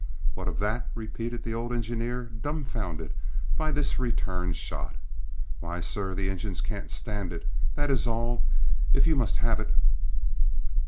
"What of that?" repeated the old engineer, dumbfounded by this return shot. "Why, sir, the engines can't stand it. That is all, if you must have it!"